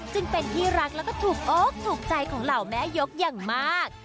จึงเป็นที่รักและถุกโอ๊คถุกใจของเหล่าบุวุแม้ยกอย่างมาก